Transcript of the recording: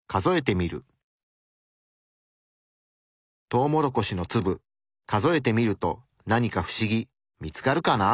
トウモロコシの粒数えてみると何かフシギ見つかるかな？